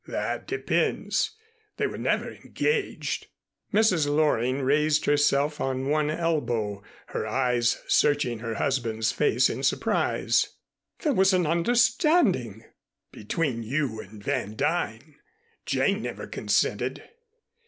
"That depends. They were never engaged." Mrs. Loring raised herself on one elbow, her eyes searching her husband's face in surprise. "There was an understanding." "Between you and Van Duyn. Jane never consented."